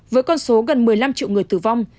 với con số gần một mươi năm triệu người tử vong